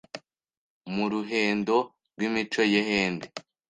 mu ruhendo rw’imico y’ehendi